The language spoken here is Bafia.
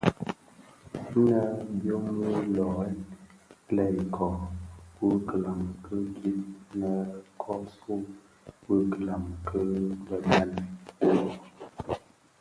Nnë byom bi löören lè iköö wu kilami ki gib nnë kōsuu bi kilami ki bë bani.